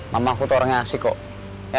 mama aku tuh orang yang asik kok